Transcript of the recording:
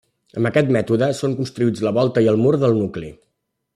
Amb aquest mètode són construïts la volta i el mur del nucli.